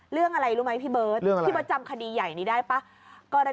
เรื่องอะไรรู้ไหมพี่เบิร์ทที่ประจำคดีใหญ่นี้ได้ปะเรื่องอะไร